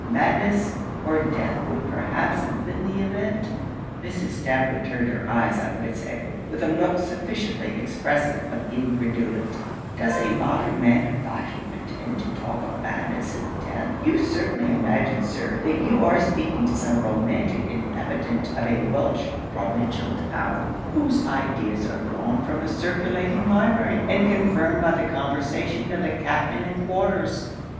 Madness or death would perhaps have been the event.' Mrs. Stafford turned her eyes on Fitz Edward, with a look sufficiently expressive of incredulity 'Does a modern man of fashion pretend to talk of madness and death? You certainly imagine, Sir, that you are speaking to some romantic inhabitant of a Welch provincial town, whose ideas are drawn from a circulating library, and confirmed by the conversation of the captain in quarters.'